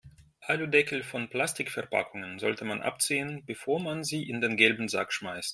Aludeckel von Plastikverpackungen sollte man abziehen, bevor man sie in den gelben Sack schmeißt.